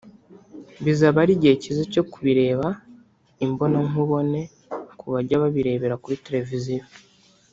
Bizaba ari igihe cyiza cyo kubireba imbonankubone ku bajyaga babirebera kuri televiziyo